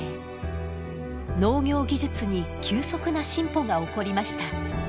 農業技術に急速な進歩が起こりました。